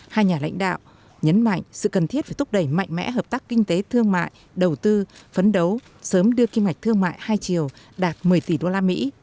hai nhà lãnh đạo nhấn mạnh sự cần thiết về thúc đẩy mạnh mẽ hợp tác kinh tế thương mại đầu tư phấn đấu sớm đưa kim ngạch thương mại hai triều đạt một mươi tỷ đô la mỹ